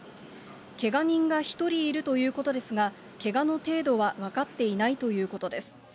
けが人は１人いるということですが、けがの程度は分かっていないということです。